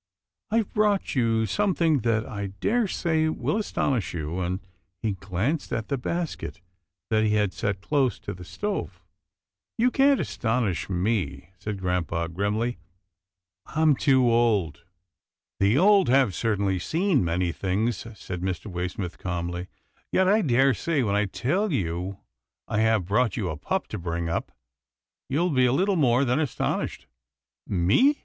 I have brought you some thing that I daresay will astonish you," and he glanced at the basket that he had set close to the stove. " You can't astonish me," said grampa grimly, " I'm too old." " The old have certainly seen many things," said Mr. Waysmith, calmly, "yet I daresay, when I tell you I have brought you a pup to bring up, you will be a little more than astonished." "Me!"